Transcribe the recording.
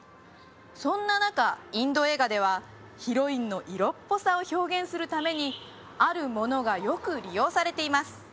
そんな中インド映画ではヒロインの色っぽさを表現するためにあるものがよく利用されています